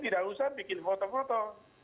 tidak usah bikin foto foto